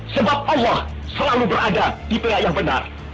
sebab allah selalu berada di pihak yang benar